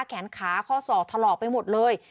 แขนขาข้อศอกถลอกไปหมดเลย